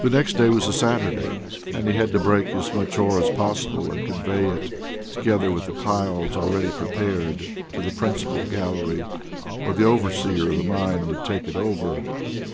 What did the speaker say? The next day was a Saturday, and he had to break as much ore possible and convey it, together with the piles already prepared, to the principal gallery, where the overseer of the mine would take it over.